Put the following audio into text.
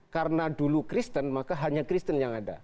karena dulu kristen maka hanya kristen yang ada